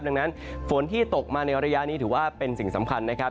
ดังนั้นฝนที่ตกมาในระยะนี้ถือว่าเป็นสิ่งสำคัญนะครับ